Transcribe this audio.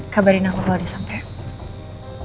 kabarin aku kalau udah sampai